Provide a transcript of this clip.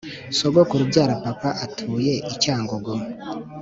Sogokuru ubyara papa atuye icya ngugu